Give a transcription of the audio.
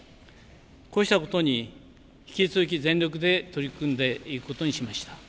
こうしたことに引き続き全力で取り組んでいくことにしました。